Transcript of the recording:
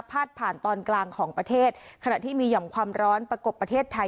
ผ่านตอนกลางของประเทศขณะที่มีหย่อมความร้อนประกบประเทศไทย